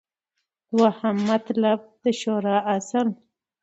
دوهم مطلب : د شورا اصل